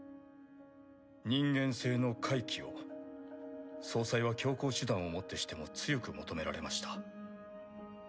人間性の回帰を総裁は強硬手段をもってしても強く求められました。